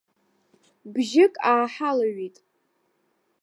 Бжьык ааҳалаҩит.